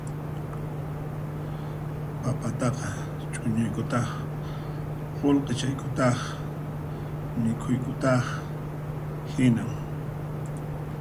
Papataqa chuñuykutaq qullqichaykutaq mikhuykutaq hinan